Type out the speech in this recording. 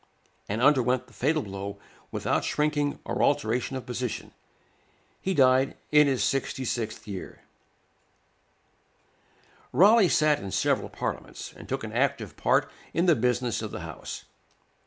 and underwent the fatal blow without shrinking or alteration of position. He died in his sixty sixth year. [Illustration: Raleigh parting from his wife.] Raleigh sat in several Parliaments, and took an active part in the business of the house.